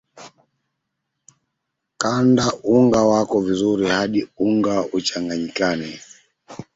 kanda unga wako vizuri hadi unga uchanganyike